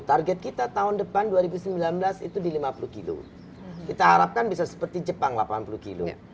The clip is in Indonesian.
target kita tahun depan dua ribu sembilan belas itu di lima puluh kilo kita harapkan bisa seperti jepang delapan puluh kilo